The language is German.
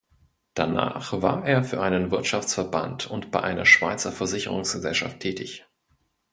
Danach war er für einen Wirtschaftsverband und bei einer Schweizer Versicherungsgesellschaft tätig.